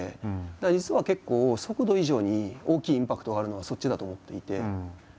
だから実は結構速度以上に大きいインパクトがあるのはそっちだと思っていて。